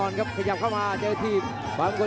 โอ้โหไม่พลาดกับธนาคมโด้แดงเขาสร้างแบบนี้